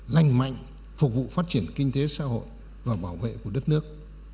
lành mạnh phục vụ phát triển kinh tế xã hội và bảo vệ của đất nước